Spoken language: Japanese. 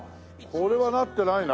これはなってないな。